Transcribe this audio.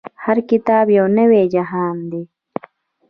هر کتاب يو نوی جهان دی.